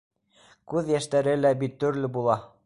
Күҙ йәштәре лә бит төрлө була.